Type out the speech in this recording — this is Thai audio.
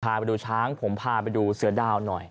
พาไปดูช้างผมพาไปดูเสือดาวหน่อย